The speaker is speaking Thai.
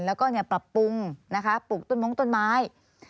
แล้วก็ปรับปรุงนะคะปลูกต้นมงต้นไม้